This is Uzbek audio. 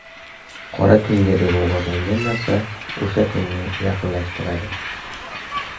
Qora kunga deb o‘g‘irlangan narsa o‘sha kunni yaqinlashtiradi.